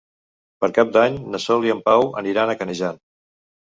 Per Cap d'Any na Sol i en Pau aniran a Canejan.